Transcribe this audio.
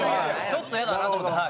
ちょっとイヤだなと思って。